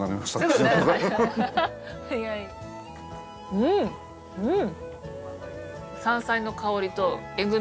うんうん。